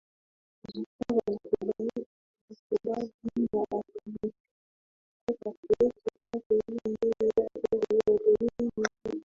Jacob alikubali na akamwambia magreth ampeleke kwake ili yeye arudi hotelini kwake